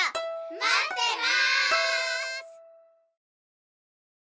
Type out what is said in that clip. まってます！